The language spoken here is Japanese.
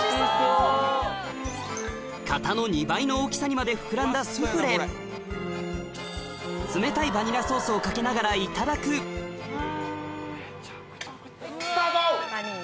型の２倍の大きさにまで膨らんだ冷たいバニラソースをかけながらいただくスタート！